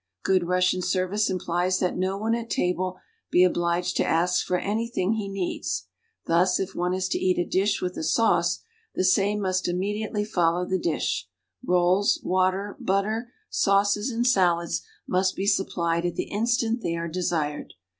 Good Russian service implies that no one at table be obliged to ask for anything he needs; thus if one is to eat a dish with a sauce, the same must immediately follow the di.sh; rolls, water, butter, sauces and salads must l)e supplied at the instant they are desired.